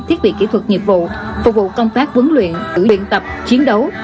thiết bị kỹ thuật nhiệm vụ phục vụ công tác vấn luyện tử biện tập chiến đấu